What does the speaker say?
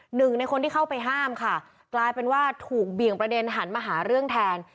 หนึ่งในคนที่เข้าไปห้ามค่ะกลายเป็นว่าถูกเบี่ยงประเด็นหันมาหาเรื่องแทน